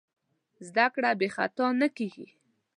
زدهکړه بېخطا نه کېږي.